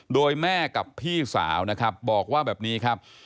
โดยแม่กับพี่สาวนะครับบอกว่าแบบนี้ครับ